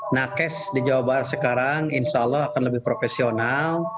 nakes di jawa barat sekarang insya allah akan lebih profesional